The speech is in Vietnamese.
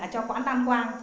cho quán đăng quang